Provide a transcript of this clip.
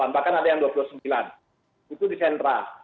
bahkan ada yang dua puluh sembilan itu di sentra